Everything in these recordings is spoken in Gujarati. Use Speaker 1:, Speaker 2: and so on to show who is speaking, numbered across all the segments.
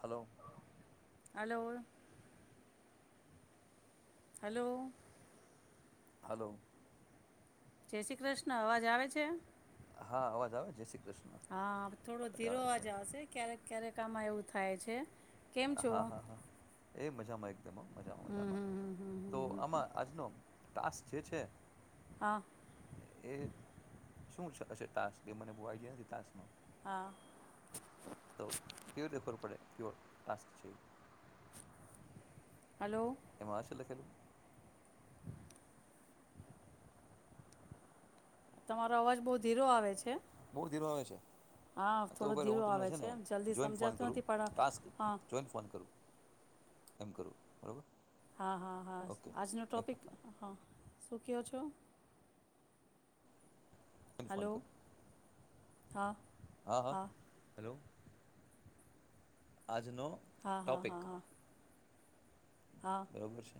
Speaker 1: હલો
Speaker 2: હલો હલો
Speaker 1: હલો
Speaker 2: જય શ્રી કૃષ્ણ, અવાજ આવે છે?
Speaker 1: હા અવાજ આવે જય શ્રી કૃષ્ણ
Speaker 2: હા થોડો
Speaker 1: અવાજ આવે છે
Speaker 2: ધીરોવાજ આવશે ક્યારેક ક્યારેક કામાં એવું થાય છે. કેમ છો
Speaker 1: હા હા હા. એ મજામાં એક મજામાં
Speaker 2: હમ
Speaker 1: મજામાં
Speaker 2: હમ હમ હમ હમ
Speaker 1: તો
Speaker 2: હમ
Speaker 1: આમાં આજનો ટાસ્ક જે છે
Speaker 2: હા.
Speaker 1: એ શું હશે તાસ્ક? એ મને બહુ આઈડિયા નથી તાસ્કમાં.
Speaker 2: હા.
Speaker 1: ક્યો ટાસ્ક છે?
Speaker 2: હલો
Speaker 1: એમાં છેલ્લે ખેલું
Speaker 2: તમારો અવાજ બઉ ધીરો આવે છે.
Speaker 1: બવ ધીરો આવે છે
Speaker 2: હા
Speaker 1: તો
Speaker 2: થોડો ધીરો
Speaker 1: હું તમને
Speaker 2: આવે છે
Speaker 1: છેને
Speaker 2: જલ્દી
Speaker 1: જોઈન ફોન
Speaker 2: સમજાતું
Speaker 1: કરું
Speaker 2: નથી પણ
Speaker 1: ટાસ્ક
Speaker 2: હા
Speaker 1: જોઈન ફોન કરું. એમ કરું બરોબર.
Speaker 2: હા હા હા, આજનો ટોપિક, હા. સુૂક્યો છો?
Speaker 1: Join phone
Speaker 2: hello.
Speaker 1: કરું
Speaker 2: હા.
Speaker 1: હા હા, હાલો. આજનો
Speaker 2: હા હા
Speaker 1: ટોપિક.
Speaker 2: હા હા હા
Speaker 1: બરાબર છે?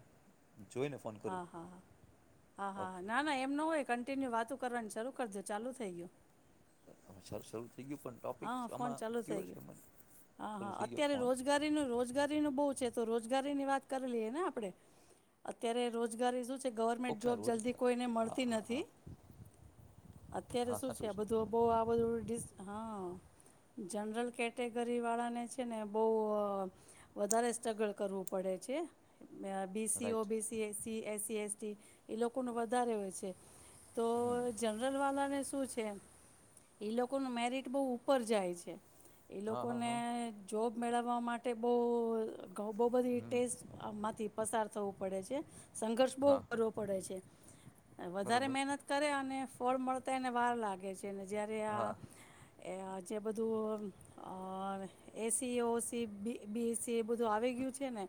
Speaker 1: જોઈને ફોન કરું
Speaker 2: હા હા હા હા હા
Speaker 1: ઓકે
Speaker 2: હા ના ના એમ ના હોય. કન્ટિન્યુ વાતો કરવાની શરૂ કરજો. ચાલુ થઈ ગયું.
Speaker 1: સારસવુ
Speaker 2: હા ફોન ચાલુ થઈ ગયો હા હા
Speaker 1: શરૂ થઈ ગયો
Speaker 2: અત્યારે
Speaker 1: ફોન
Speaker 2: રોજગારીનું રોજગારીનું બો છે તો રોજગારી ની વાત કરી લએ ને આપે અત્યારે રોજગારી શું છે ગવર્મેન્ટ
Speaker 1: ઓકે
Speaker 2: જોબ જલ્દી
Speaker 1: રોજગાર
Speaker 2: કોઈને
Speaker 1: હા
Speaker 2: મળતી
Speaker 1: હા હા
Speaker 2: નથી અત્યારે
Speaker 1: હા
Speaker 2: શું છે
Speaker 1: સાચું
Speaker 2: આ બધું
Speaker 1: હમ
Speaker 2: બો આ બધું હા. જનરલ કેટેગરી વાળાને છે ને બો વધારે સ્ટ્રગલ કરવું પડે છે. B C O
Speaker 1: right
Speaker 2: BC એ સી એસસી એસટી એ લોકોને વધારે હોય છે. તો
Speaker 1: હમ
Speaker 2: જનરલ વાલાને શું છે લોકો ને મેરિટ બો ઉપર જાય છે. એ
Speaker 1: હા હા
Speaker 2: લોકોને
Speaker 1: હા
Speaker 2: જોબ મેળવવા માટે બો [unintelligible] બધી
Speaker 1: હમ
Speaker 2: ટેસ્ટ આમાંથી પસાર થવું પડે છે. સંઘર્ષ બો
Speaker 1: હા હા
Speaker 2: કરવો પડે છે વધારે
Speaker 1: બરોબર
Speaker 2: મહેનત કરે અને ફળ મળતા એને વાર લાગે છે. [unintelligible] જ્યારે
Speaker 1: હા
Speaker 2: આ એ જે બધું એસીઓસી બી બીસી એ બધું આવી ગયું છે ને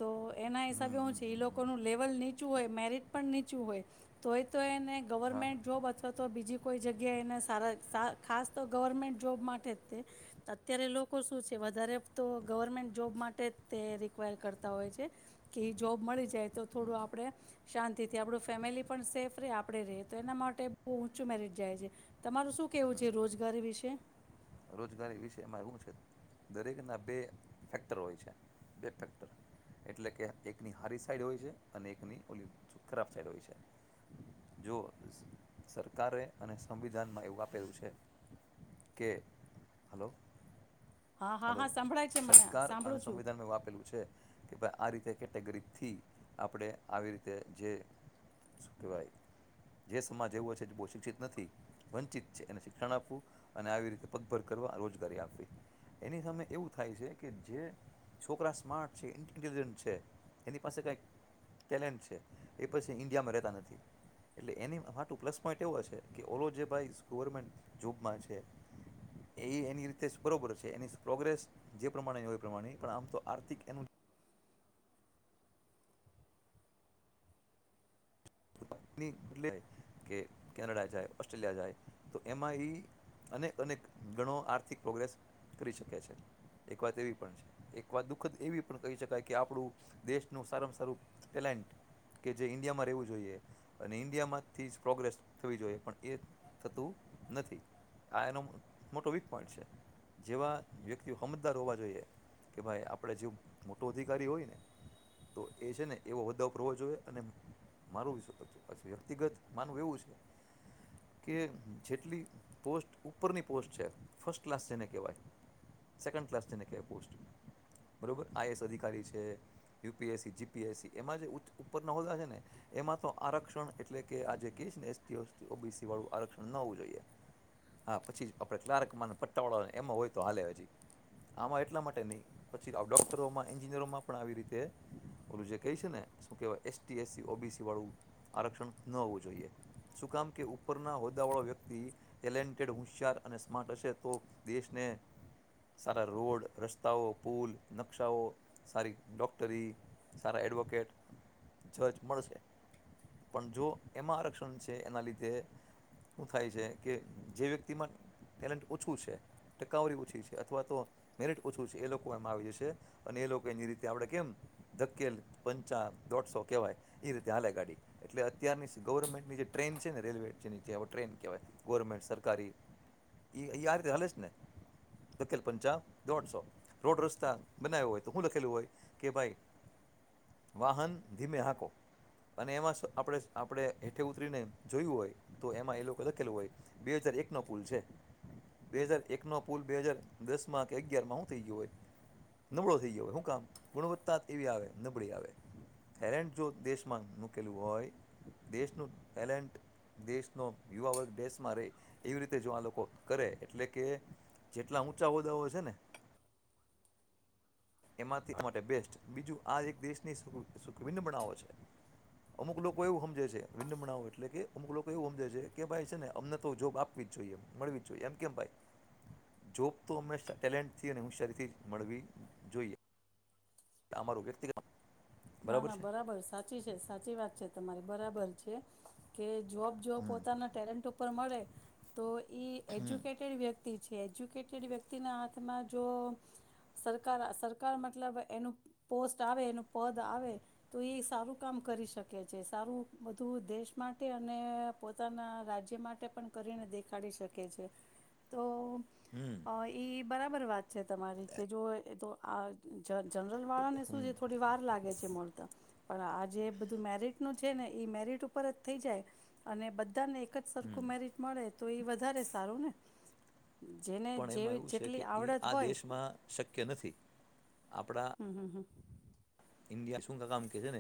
Speaker 2: તો એના
Speaker 1: હમ
Speaker 2: હિસાબે હું
Speaker 1: હમ
Speaker 2: છે એ
Speaker 1: હમ
Speaker 2: લોકોનું લેવલ નીટ ઓછું હોય મેરીટ પણ નીચું હોય તોય તો એને
Speaker 1: હા
Speaker 2: ગવર્મેન્ટ જોબ અથવા તો તો બીજી કોઈ જગ્યાએ એને સારા સા ખાસ તો ગવર્મેન્ટ જોબ માટે જ તે અત્યારે લોકો શું છે વધારે તો ગવર્મેન્ટ જોબ માટે જ તે રિક્વાયર કરતા હોય છે કે એ જોબ મળી જાય તો થોડું આપણે શાંતિથી આપણું ફેમિલી પણ સેફ રહે આપણે ર રહે તો એના માટે બહુ ઊંચું મેરિટ જાય છે તમારું શું કેહેવું છે? જે રોજગારી વિશે.
Speaker 1: રોજગારી વિશેમાં એવું છે દરેક ના બે ફેક્ટર હોય છે બે ફેક્ટર એટલે કે એકની હારી સાઈડ હોય છે અને એકની ઓલી ખરાબ સાઈડ હોય છે જો સરકારે અને સંવિધાનમાં એવું આપેલું છે કે હલો.
Speaker 2: હા હા
Speaker 1: હલો
Speaker 2: હા સંભળાય છે મને
Speaker 1: સરકાર અને
Speaker 2: સાંભળું છું
Speaker 1: સંવિધાન નું આપેલું છે. કે ભાઈ આ રીતે કેટેગરી થી આપણે આવી રીતે જે શું કેવાય જે સમાજ એવો છે બો શિક્ષિત નથી વંચિત છે એને શિક્ષણ આપવું અને આવી રીતે પગભર કરવા રોજગારી આપવી એની સામે એવું થાય છે કે જે છોકરા સ્માર્ટ છે ઇન્ટેલિજન્ટ છે એની પાસે કાંઈક ટેલેન્ટ છે એ પછી ઈન્ડિયામાં રહેતા નથી એટલે એની માટું પ્લસ પોઈન્ટ એવ છે કે ઓલો જે ભાઈ ગવર્મેન્ટ જોબમાં છે એ એની રીતે જ બરાબર છે. કે એની પ્રોગ્રેસ જે પ્રમાણેની હોય પ્રમાણે પણ આમ તો આર્થિક એનું કે કેનેડા જાય ઓસ્ટ્રેલિયા જાય તો એમાં એ અનેક અનેક ઘણો આર્થિક પ્રોગ્રેસ કરી શકે છે એક વાત એવી પણ છે એક વાત દુઃખદ એવી પણ કહી શકાય કે આપણું દેશનું સારામાં સારું ટેલેન્ટ કે જે ઈન્ડિયામાં રહેવું જો અને ઇન્ડિયામાંથી જ પ્રોગ્રેસ થવી જોઈએ પણ એ થતું નથી આ એનો મોટો વીક પોઈન્ટ છે જેવા વ્યક્તિઓ સમમજદાર હોવા જોઈએ કે ભાઈ આપણે જેવ મોટો અધિકારી હોય ને તો એ છે ને એવો વધદો પર હોવો જોઈએ અને મારુ [unintelligible] વ્યક્તિગત માનવું એવું છે કે જેટલી પોસ્ટ ઉપરની પોસ્ટ છે ફસ્ટ ક્લાસ જેને કેવાય સેકન્ ક્લાસ જેને કહેવાય [unintelligible] બરોબર આઈએએસ અધિકારી છે યુપીએસસી જીપીએસસી એમાં જે ઉપરના હોદા છે ને એમાં તો આરક્ષણ એટલે કે આજે કહી છે ને એસટી ઓ ઓબીસી વાળું આરક્ષણ ન હોવું જોઈએ હા પછી જ આપણે ક્લાર્ક મા પટ્ટાવાળાને એમાં હોય તો હાલે હજી આમાં એટલા માટે નહીં પછી આવ ડોક્ટરોમાં એન્જિનિયરોમાં પણ આવી રીતે ઓલું જે કહી છે ને શું કહેવાય એસટી એસસી ઓબીસી વાળું આરક્ષણ ન હોવું જોઈએ શું કામ કે ઉપરના હોદ્દાવાળો વ્યક્તિ ટેલેન્ટેડ હોશિયાર અને સ્માર્ટ હશે તો દેશને સારા રોડ રસ્તાઓ પુલ નકશાઓ સારી ડોક્ટરી સારા એડવોકેટ જજ મળશે. પણ જો એમાં આરક્ષણ છે એના લીધે શ થાય છે કે જે વ્યક્તિમાં ટેલેન્ટ ઓછું છે ટકાવરી ઓછી છે અથવા તો મેરિટ ઓછું છે એ લોકો એમાં આવી જશે અને એ લોકો એની રીતે આપણે કેમ ધકેલ પંચા દોઢસો કહેવાય એ ત્યાં હ લ ગાડી એટલે અત્યારની ગવર્મેન્ટની જે ટ્રેન છે ને રેલવેની જે એ ટ્રેન કહેવાય ગવર્મેન્ટ સરકારી એ અહીંયા આ રીતે હાલે છે ને લખેલ પંચા દોઢસો રોડ રસ્તા બનાવ્યો હોય તો શું લખેલું હોય કે ભાઈ વાહન ધીમે હાંકો અને એમાં આપડે આપણે હેઠે ઉતરીને જોયું હોય તો એમાં એ લોકો લખેલું હોય બે હાજર એક નો પુલ છે બે હાજર એક નો પુલ બે હાજર દસ માં કે અગયારમાં શું થઈ ગયો હોય નબળો થઈ ગયો હોય શું કામ ગુણવત્તા એવી આવે નબળી આવે થાયલેન્ડ જો દેશ ન મૂકેલું હોય દેશનું ટેલેન્ટ દેશનો યુવા વર્ગ દેશમાં રહે એવી રીતે જો આ લોકો કરે એટલે કે જેટલા ઊંચા હોદ્દાઓ છે ને એમાંથી માટે બેસ્ટ બીજું આ એક દેશની સુખ વિન્બનાઓ છે અમુક લોકો એવું સમજે છે વિબઓ એટલે કે અમુક લોકો એવું સમજે છે કે ભાઈ છે ને અમને તો જોબ આપવી જ જોઈએ મળવી જ જોઈએ એમ કેમ ભાઈ જોબ તો હંમેશા ટેલેન્ટથી અને હોશયારીથી મળવી. જોઈએ. એ અર વ્યક્તિગત.
Speaker 2: ના ના બરાબર સાચી છે સાચી વાત છે. તમારે બરાબર છે કે. જોબ જો પોતાના ટેલેન્ટ. ઉપ મળે તો. ઈ એજ્યુકેટેડ વ્યક્તિ. ્યક્ના હાથમાં જો સરકાર મતલબ એનું પોસ્ટ આવે એ. પદ આવે તો એ સારું કામ કરી શકે છે સારું બધું દેશ માટે અને પોતાના રાજ્ય માટે પણ કરીને દેખાડી શકે છે તો.
Speaker 1: હમ
Speaker 2: અ એ. બરાબર વાત છે તમારી કે જો તો આ જ જળ. વાળાને શું છે થોડી વાર. મેટ છે ને મેટ ઉપર જ થઈ જાય અને બધાને. જ સરખું મેરિટ મળે. તો એ વધારે સારું ને. જેને
Speaker 1: પણ
Speaker 2: જે
Speaker 1: એમાં એવું છે
Speaker 2: જેટલી
Speaker 1: કે એ
Speaker 2: આવડત
Speaker 1: આ
Speaker 2: હોય
Speaker 1: દેશમાં શક્ય નથી. આપણા
Speaker 2: હમ હમ હમ.
Speaker 1: ઇન્ડિયા શું ક કામ કેહે છે ને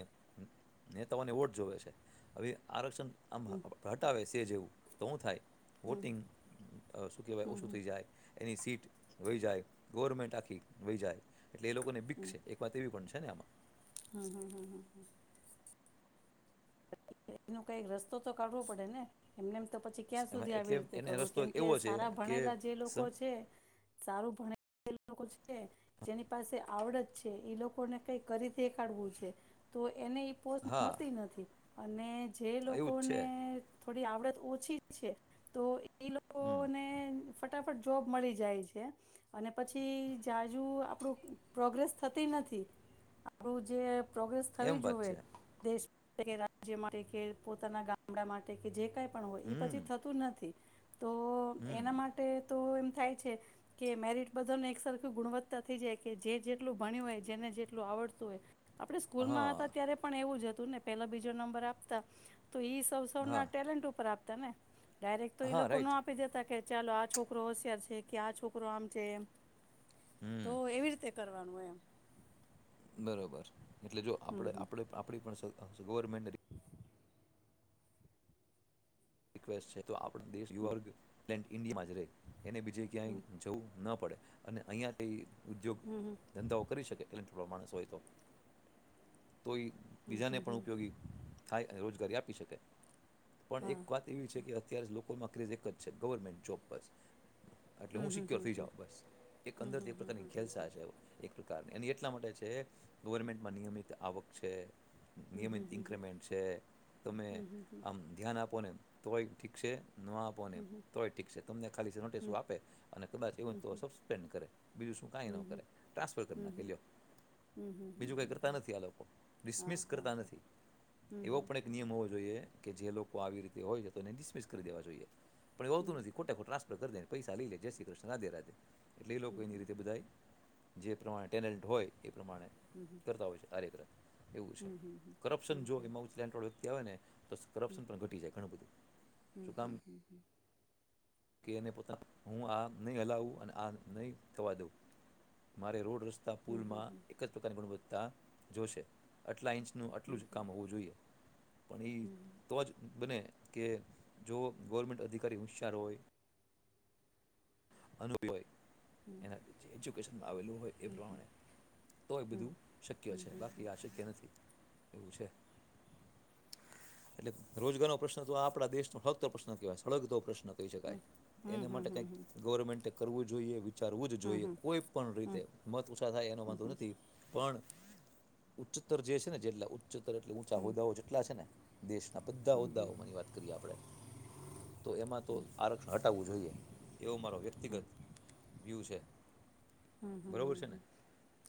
Speaker 1: નેતાઓને વોટ જોવે છે હવે આરક્ષણ. આમ હટાવે છે. તે જેવું તો હું થાય. વોટિંગ શું કહેવાય
Speaker 2: હમ
Speaker 1: ઓછું
Speaker 2: હમ
Speaker 1: થઈ જાય. એની સીટ વહી જાય ગવર્મેન્ટ આખી વહી જાય. એટલે એ લોકોને બીક
Speaker 2: હમ
Speaker 1: છે એક વાત એવી પણ છે. ધન આમાં.
Speaker 2: હમ હા હા હ. એનું કઈક રસ્તો તો કાઢવો પડે ને એમનેમ. તો પછી ક્યાં
Speaker 1: એમાં
Speaker 2: સુધી આવી
Speaker 1: એટલે
Speaker 2: રીતે
Speaker 1: એને
Speaker 2: કરવું
Speaker 1: રસ્તો
Speaker 2: કેમ કે
Speaker 1: એવો છે
Speaker 2: સારા
Speaker 1: કે
Speaker 2: ભણેલા જે લોકો
Speaker 1: સમ
Speaker 2: છે. સારું ભણે લોકો છે જેની પાસે આવડત છે એ લોકોને કઈ કરી દેખાડવું છે તો એને. પોસ્ટ
Speaker 1: હા
Speaker 2: મળતી નથી. અને. જે
Speaker 1: એવું જ છે
Speaker 2: લોકોને. થોડી આવડત ઓછી છે તો. એ
Speaker 1: હમ
Speaker 2: લોકોને ફટ. ફટાફટ જોબ મળી જાય છે અને પછીજુ આપણું પ્રોગ્રેસ થતી નથી આપણું જે. પ્રોગ્રેસ થવી
Speaker 1: એમ વાત
Speaker 2: જોએ.
Speaker 1: છે
Speaker 2: દેશ [unintelligible] જે માટે કે પોતાના ગામડા માટે કે જે કઈ પણ હોય એ
Speaker 1: હમ
Speaker 2: પછી થતું નથી. તો
Speaker 1: હમ
Speaker 2: એના માટે તો મ થાય છે કે મેરિટ બધાને એક સરખું ગુણવત્તા થઈ જાય કે જે જેટલું ભણ્યું હોય, જેને જેટલું આવડતું હોય આપણે સ્કૂલમાં
Speaker 1: હા
Speaker 2: હતા ત્યારે પણ એવું જ હ એને પેલા બીજ જો નંબર આપતા તો ઈ સૌ
Speaker 1: હા
Speaker 2: સૌના ટેલેન્ટ ઉપર આ તમે? ડાયરેક્ટ તો ઈ
Speaker 1: હા
Speaker 2: લોકો નો
Speaker 1: રાઈટ
Speaker 2: આપી દેતા કે ચાલો આ છોકરો હોશિયાર છે કે આ છોકરો આમ છે એમ. તો
Speaker 1: હમ
Speaker 2: એવી રીતે કરવાનું એમ.
Speaker 1: બરોબર. એટલે જો
Speaker 2: હમ
Speaker 1: આપણે
Speaker 2: હમ
Speaker 1: આપણે આપણી પણ સ ગવરમેન્ટ રિક્વેસ્ટ છે તો આપ દેશ યુવા વર્ગ પ્લેન્ટ ઈન્ડિયા માંજ રે. એને બીજે ક્યાંય જવું ન પડે. અને અહિયાં તે ઉદ્યોગ, ધંધાઓ કરી શકે કારણ લો માણસ હોય તો. તો એ બીજાને પણ ઉપયોગી થાય અને રોજગારી આપ પીછોકે.
Speaker 2: હા.
Speaker 1: એવી છે કે અત્યારે જ લોક [inaudible] એકજ છે ગવરમેન્ટ ચોક્કસ. એટલે
Speaker 2: હમ
Speaker 1: હું
Speaker 2: હમ
Speaker 1: સિક્યોર
Speaker 2: હમ
Speaker 1: થઈ જાઉ બસ. એક અંદર પતા ની ખેલસા છે એક પ્રકારની. એની એટલા માટે છે ગવર્મેન્ટમાં નિયમિત આવક છે.
Speaker 2: હમ
Speaker 1: નિયમિત
Speaker 2: હમ હમ
Speaker 1: ઇન્ક્રીમેન્ટ છે. તમે
Speaker 2: હમ હમ
Speaker 1: આમ ધ્યાન આપોને તોય ઠીક છે. ન આપો ને તોય ઠીક છે તમને ખાલી નોટિસ આપે અને કદાચ એ
Speaker 2: હમ હમ હમ હમ હમ હમ
Speaker 1: તો સસ્પેન્ડ કરે બીજું શું કઈ ન કરે ટ્રાન્સફર કરી
Speaker 2: હમ હમ હમ
Speaker 1: નાખી્યો
Speaker 2: હમ હમ
Speaker 1: બીજું કઈ
Speaker 2: હમ
Speaker 1: કરતા
Speaker 2: હમ
Speaker 1: નથી આ લોકો
Speaker 2: હા
Speaker 1: ડિસમિસ
Speaker 2: હા
Speaker 1: કરતા
Speaker 2: હા
Speaker 1: નથી
Speaker 2: હમ
Speaker 1: એવો
Speaker 2: હમ
Speaker 1: પણ એક નિયમ હોવો જોઈએ કે જે. વા આવીર. હોય છે તોને ડિસમિસ કરી દેવા જોઈએ. પણ એ
Speaker 2: હમ
Speaker 1: આવતું નથી ખોટાો ટ્રાન્ફર કરી દેને. પૈસા લી લે જય શ્રી કૃષ્ણ રાધે રાધે. એટલે એ
Speaker 2: હમ
Speaker 1: લોકો એની
Speaker 2: હમ
Speaker 1: રીતે બધાય. જે પ્રમાણે ટેનલ હોય. એ પ્રમાણે કરતા હોય છે આરેગ્ર એવું છે
Speaker 2: હમ હમ હમ
Speaker 1: કરપ્શન
Speaker 2: હમ
Speaker 1: જો એમાં ઉચલેઠવાળો વ્યક્તિ આવે ને તો કરપ્શન પણ ઘટી જાય. બધું શું કામ
Speaker 2: [inaudible]
Speaker 1: કે એનેતા હું આ નહીં હલાવું અને આ નહી થવા દઉં મારે રોડ રસ્.
Speaker 2: હમ હમ હમ હમ હમ હમ હમ
Speaker 1: પુલમાં જ પ્રકારની ગુણવત ત જોશે આટલા ઇંચ ન આટલું જ કામ હોવું જોઈએ પણ એ તો જ બને કે જો ગવર્મેન્ટ અધિકારી હોશિયાર હોય અનુભય એના જે એજ્યુકેશનમાં આવેલું હોય એ પ્રમાણે તોય બધું શક્ય છે બાકી આ શક્ય નથી એવું છે એટલે રોજગાર નો પ્રશ્ન તો આપડા દેશ નો ફળગતો પ્રશ્ન કેવાય ફળગતો પ્રશ્ન ન કહી શકાય એને માટે કઈક
Speaker 2: હમ
Speaker 1: ગવર્મેન્ટે કરવું જોઈએ ચારવું જ
Speaker 2: હમ હમ હમ
Speaker 1: જોઈએ
Speaker 2: હમ
Speaker 1: કોઈ પણ રીતે મત ઓછા થાય એનો વાંધો નથી પણ ઉચ્ચતર જે છે ને જેટલા પચોતર એટલે ઊંચા હોદાઓ જેટલા છેને દેશ આ બધા હોદ્દાઓ માની વાત કરીએ આપણે તો એમાં તો આરક્ષણ હટાવવું જોઈએ એવો મારો વ્યક્તિગત વ્યુ છે
Speaker 2: હમ
Speaker 1: બરોબર છે ને
Speaker 2: હમ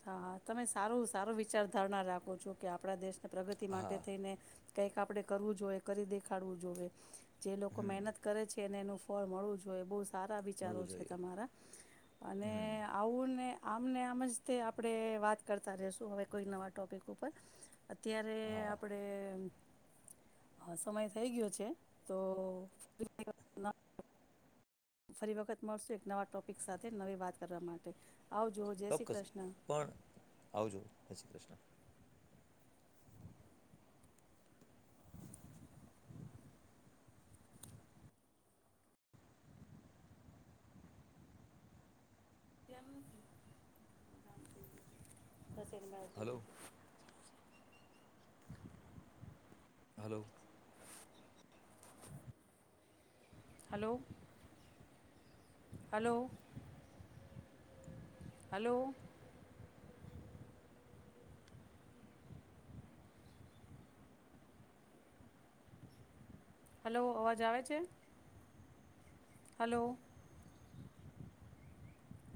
Speaker 2: હા તમે સારું-સારું વિચારધારણા રાખું છું કે આપણા દેશ પ્રગતિ માટે
Speaker 1: હા
Speaker 2: થઈને કઈક આપડે કરવું જોઈએ કરી દેખાડવું જોઈએ જે લોકો મહેનત કરે છે ને એનું ફળ મળવું જોઈએ બોસ સારા વિચારો
Speaker 1: મળવું
Speaker 2: છે
Speaker 1: જોઈએ
Speaker 2: તમારા. અને
Speaker 1: હમ
Speaker 2: ને આમને આમજ તે આપણે વાત કરતા રહશું હવે કોઈ નવા ટોપિક ઉપર ત્યારે
Speaker 1: હા
Speaker 2: આપડે હા સમય થઈ ગયો છે. તો [inaudible] ફરી વખત મળશું એક નવા ટોપિક સાથે નવી વાત કરવા માટે. આવજો જય શ્રી
Speaker 1: ચોક્કસ
Speaker 2: કૃષ્ણ
Speaker 1: પણ આવજો. જય Shri Krishna.
Speaker 2: [inaudible]
Speaker 1: Hello
Speaker 2: [inaudible]
Speaker 1: hello.
Speaker 2: Hello. Hello. Hello. Hello, અવાજ આવે છે? હાલો.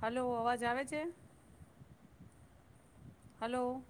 Speaker 2: હાલો, અવાજ આવે છે? હાલો.